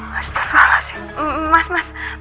mas terlalu asing